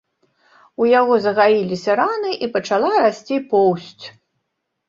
У яго загаіліся раны і пачала расці поўсць.